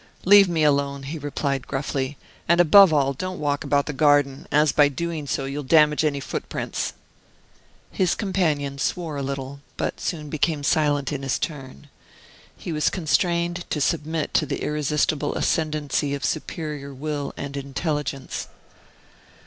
"Leave me alone," he replied gruffly; "and, above all, don't walk about the garden, as by doing so, you'll damage any footprints." His companion swore a little; but soon became silent in his turn. He was constrained to submit to the irresistible ascendency of superior will and intelligence.